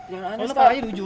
jangan aneh start aja duju